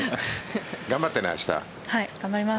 頑張ります。